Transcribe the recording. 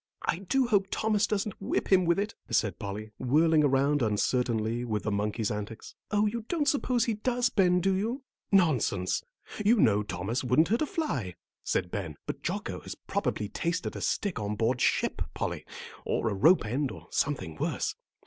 "I do hope Thomas doesn't whip him with it," said Polly, whirling around uncertainly with the monkey's antics. "Oh, you don't suppose he does, Ben, do you?" "Nonsense; you know Thomas wouldn't hurt a fly," said Ben. "But Jocko has probably tasted a stick on board ship, Polly, or a rope end, or something worse.